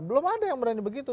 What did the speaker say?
belum ada yang berani begitu